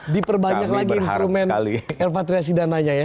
diperbanyak lagi instrumen repatriasi dananya ya